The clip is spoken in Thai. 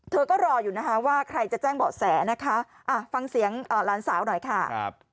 เธอก็รออยู่นะคะว่าใครจะแจ้งเบาะแสนะคะฟังเสียงหลานสาวหน่อยค่ะ